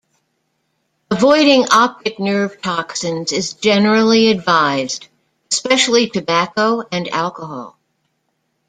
Avoiding optic nerve toxins is generally advised, especially tobacco and alcohol.